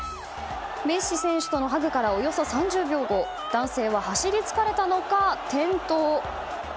メッシ選手とのハグからおよそ３０秒後男性は走り疲れたのか転倒。